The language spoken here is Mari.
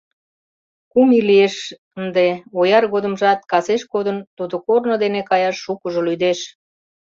Кум ий лиеш ынде, ояр годымжат, касеш кодын, тудо корно дене каяш шукыжо лӱдеш.